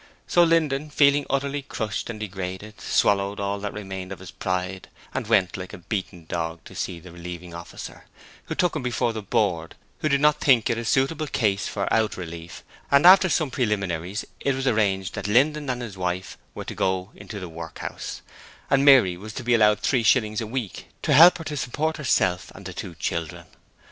So Linden, feeling utterly crushed and degraded, swallowed all that remained of his pride and went like a beaten dog to see the relieving officer, who took him before the Board, who did not think it a suitable case for out relief, and after some preliminaries it was arranged that Linden and his wife were to go into the workhouse, and Mary was to be allowed three shillings a week to help her to support herself and the two children.